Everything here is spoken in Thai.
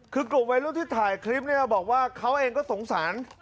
คือกลบไว้รู้ที่ถ่ายคลิปนี้เราบอกว่าเขาเองก็สงสาร